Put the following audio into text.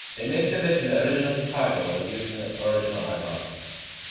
A mix of this and the original Chicago was used in the original iPod.